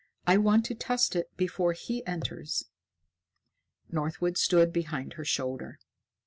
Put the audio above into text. I want to test it before he enters." Northwood stood behind her shoulder.